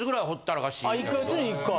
１か月に１回。